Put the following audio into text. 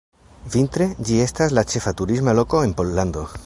Vintre, ĝi estas la ĉefa turisma loko en Pollando.